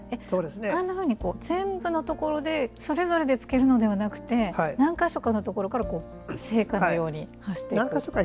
あんなふうに、全部のところでそれぞれでつけるのではなくて何か所かのところから聖火のように走ってくんですか。